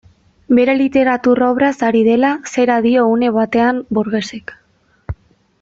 Bere literatur obraz ari dela, zera dio une batean Borgesek.